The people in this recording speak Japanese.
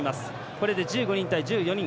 これで１５人対１４人。